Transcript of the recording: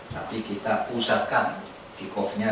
tapi kita pusatkan tip offnya